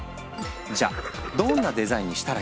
じゃあどんなデザインにしたらいいのか。